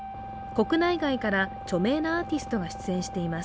国内外から著名なアーティストが出演しています。